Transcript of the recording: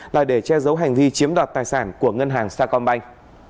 là để che giấu hành vi chiếm đoạt tài sản của ngân hàng sa công banh